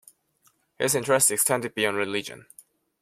His interests extended beyond religion.